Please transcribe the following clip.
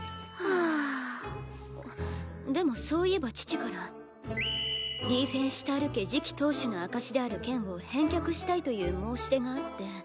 あっでもそういえば父からリーフェンシュタール家次期当主の証しである剣を返却したいという申し出があって。